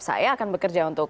saya akan bekerja untuk